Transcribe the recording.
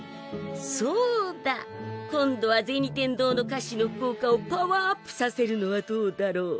そうだ今度は銭天堂の菓子の効果をパワーアップさせるのはどうだろう。